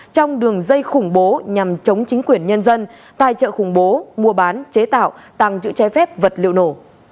trong đường dây khủng bố nhằm chống chính quyền nhân dân tài trợ khủng bố mua bán chế tạo tăng chữ trái phép vật liệu nổ